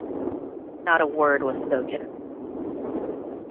Not a word was spoken.